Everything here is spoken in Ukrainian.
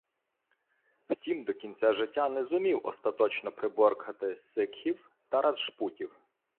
Втім до кінця життя не зумів остаточно приборкати сикхів та раджпутів.